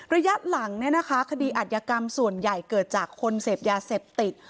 ระยะหลังคดีอัธยกรรมส่วนใหญ่เกิดจากคนเสพยาเสพติด